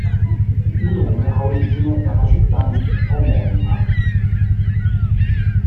Il nome ha origine dalla città di omonima.